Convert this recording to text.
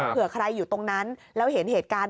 เผื่อใครอยู่ตรงนั้นแล้วเห็นเหตุการณ์